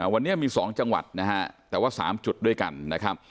วันนี้มี๒จังหวัดนะฮะแต่ว่า๓จุดด้วยกันนะครับ